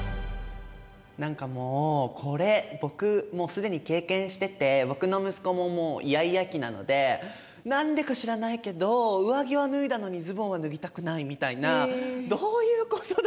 何かもうこれ僕もう既に経験してて僕の息子ももうイヤイヤ期なので何でか知らないけど上着は脱いだのにズボンは脱ぎたくないみたいな「どういうことだ！？」